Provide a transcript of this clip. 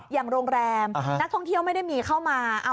อย่างโรงแรมนักท่องเที่ยวไม่ได้มีเข้ามา